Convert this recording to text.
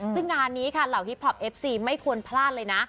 ซึ่งงานนี้ค่ะเหล่าฮิปพอปเอฟซีไม่ควรพลาดเลยนะ